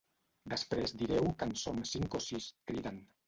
Després direu que en som cinc o sis, criden.